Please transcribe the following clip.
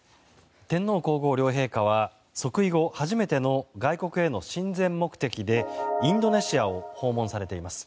天皇・皇后両陛下は即位後初めての外国への親善目的でインドネシアを訪問されています。